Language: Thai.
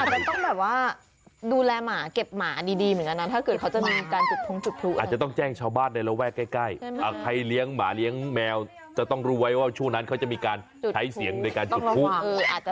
เพราะมันยังกลัวอยู่ในนั้นอ่ะไม่ต้องจุดพลุหรอ